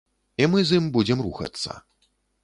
І мы з ім будзем рухацца.